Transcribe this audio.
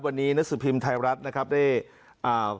วันนี้นักฝีมไทรรัตน์นะครับได้อ่า